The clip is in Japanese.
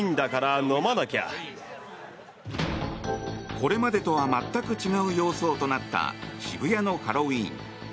これまでとは全く違う様相となった渋谷のハロウィーン。